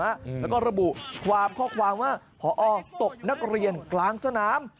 แล้วก็ระบุความข้อความว่าพอตกนักเรียนกลางสนาม